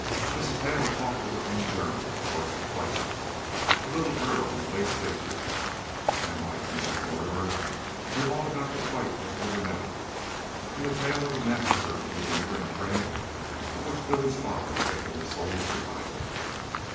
Mrs. Hale talked of her own Journey across the Plains, a little girl, in the late Fifties, and, like Mrs. Mortimer, knew all about the fight at Little Meadow, and the tale of the massacre of the emigrant train of which Billy's father had been the sole survivor.